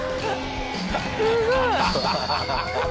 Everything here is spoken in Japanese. すごい！